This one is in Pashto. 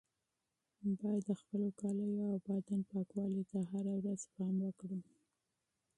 باید د خپلو جامو او بدن پاکوالي ته هره ورځ پام وکړو.